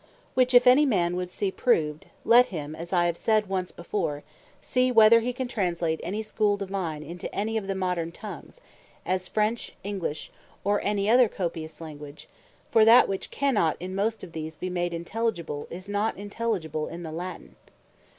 Which if any man would see proved, let him (as I have said once before) see whether he can translate any Schoole Divine into any of the Modern tongues, as French, English, or any other copious language: for that which cannot in most of these be made Intelligible, is no Intelligible in the Latine.